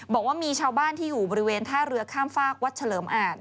บอกว่ามีชาวบ้านที่อยู่บริเวณท่าเรือข้ามฝากวัดเฉลิมอาจ